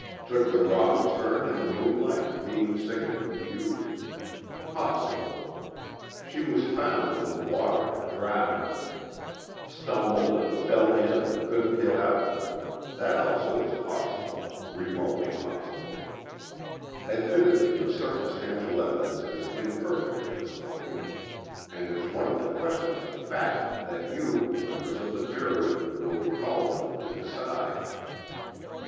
Took the wrong turn in the moonlight, being sick and confused? possible. She was found in the water, drowned. Stumbled and fell in, couldn't get out? that also is possible, remotely possible. Admittedly the circumstantial evidence is imperfect at this point, and it's one of the questions of fact that you, members of the jury, will be called on to decide."